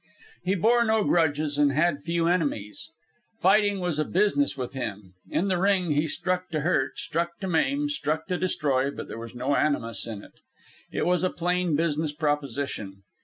He bore no grudges and had few enemies. Fighting was a business with him. In the ring he struck to hurt, struck to maim, struck to destroy; but there was no animus in it. It was a plain business proposition.